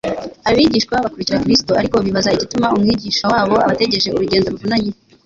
Abigishwa bakurikira Kristo ariko bibaza igituma Umwigisha wabo abategeje urugendo ruvunanye,